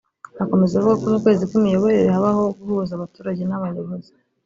Akomeza avuga ko mu kwezi kw’imiyoborere habaho guhuza abaturage n’abayobozi